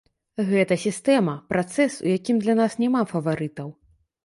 Гэта сістэма, працэс, у якім для нас няма фаварытаў.